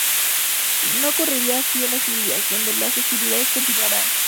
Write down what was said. No ocurriría así en las Indias, donde las hostilidades continuarían.